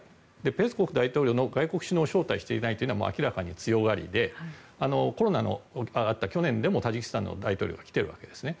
ペスコフ大統領府報道官の外国首脳を招待していないというのは明らかに強がりでコロナがあった去年でもタジキスタンの大統領が来ているわけですね。